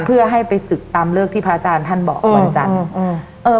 เพื่อให้ไปศึกตามเลิกที่พระอาจารย์ท่านบอกวันจันทร์อืมเออ